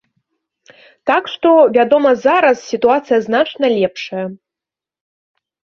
Так што, вядома, зараз сітуацыя значна лепшая.